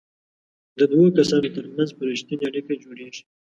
د دوو کسانو ترمنځ به ریښتینې اړیکه جوړیږي.